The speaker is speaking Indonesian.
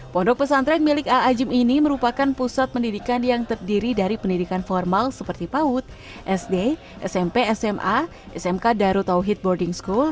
pondok pesantren milik ⁇ aajim ⁇ ini merupakan pusat pendidikan yang terdiri dari pendidikan formal seperti paud sd smp sma smk darut tauhid boarding school